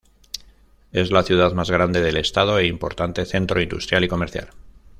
Es la ciudad más grande del estado e importante centro industrial y comercial.